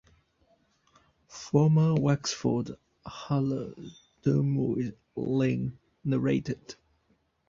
Former Wexford hurler Diarmuid Lyng narrated.